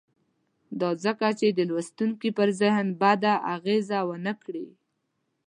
دا ځکه چې د لوستونکي پر ذهن بده اغېزه ونه کړي.